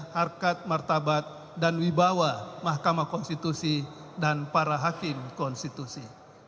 harkat martabat dan wibawa mahkamah konstitusi dan para hakim konstitusi